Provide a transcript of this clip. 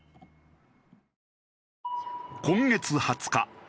今月２０日。